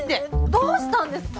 どうしたんですか？